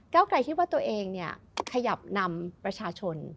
ก้าวไกลคิดว่าตัวเองขยับนำประชาชน